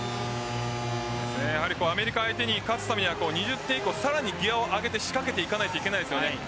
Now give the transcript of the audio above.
やはりアメリカ相手に勝つためには２０点以降さらにギアを上げて仕掛けていかないといけません。